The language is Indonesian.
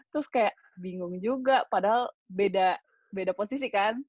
terus kayak bingung juga padahal beda posisi kan